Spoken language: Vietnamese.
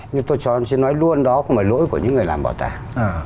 như tôi cho anh xin nói luôn đó không phải lỗi của những người làm bảo tàng